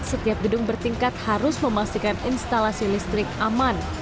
setiap gedung bertingkat harus memastikan instalasi listrik aman